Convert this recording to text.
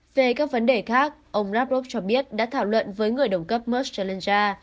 về các vấn đề khác ông rapport cho biết đã thảo luận với người đồng cấp merch challenger